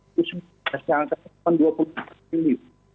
itu sebetulnya angkanya rp dua puluh enam triliun